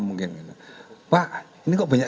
mungkin pak ini kok banyak